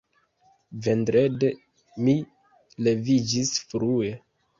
Vendrede mi leviĝis frue.